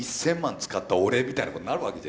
使った俺みたいなことになるわけじゃないですか。